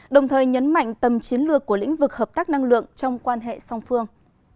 đồng thời nhấn mạnh tầm chiến lược của lĩnh vực hợp tác năng lượng trong quan hệ song phương